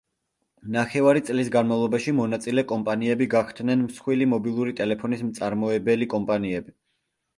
ნახევარი წლის განმავლობაში მონაწილე კომპანიები გახდნენ მსხვილი მობილური ტელეფონის მწარმოებელი კომპანიები.